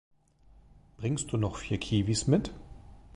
Bringst du noch vier Kiwis mit?